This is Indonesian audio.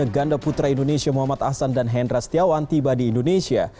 ganda putra indonesia muhammad ahsan dan hendra setiawan tiba di indonesia